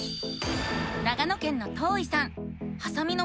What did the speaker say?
長野県のとういさん。